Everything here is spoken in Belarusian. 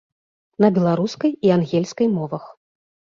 На беларускай і ангельскай мовах.